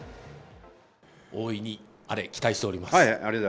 大いにアレ、期待しておりま